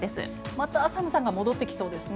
また寒さが戻ってきそうですね。